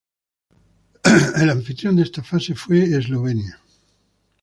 El anfitrión de esta fase fue Eslovenia.